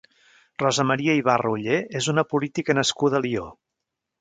Rosa Maria Ibarra Ollé és una política nascuda a Alió.